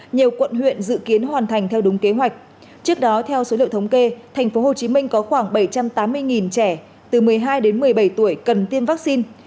nhiều quận huyện dự kiến hoàn thành theo đúng kế hoạch trước đó theo số liệu thống kê thành phố hồ chí minh có khoảng bảy trăm tám mươi trẻ từ một mươi hai đến một mươi bảy tuổi cần tiêm vaccine